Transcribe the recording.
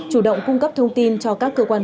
chủ động cung cấp thông tin cho các cơ quan